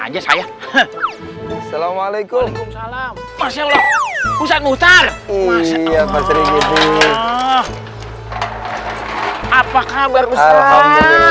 kayak gitu kan